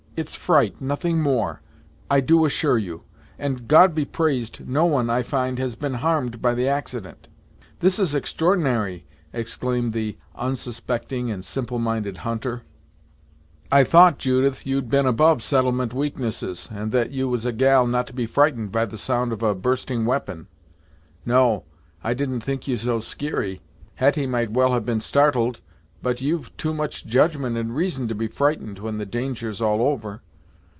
"It's fright nothing more, I do assure you, and, God be praised! no one, I find, has been harmed by the accident." "This is extr'ornary!" exclaimed the unsuspecting and simple minded hunter "I thought, Judith, you'd been above settlement weaknesses, and that you was a gal not to be frightened by the sound of a bursting we'pon No I didn't think you so skeary! Hetty might well have been startled; but you've too much judgment and reason to be frightened when the danger's all over.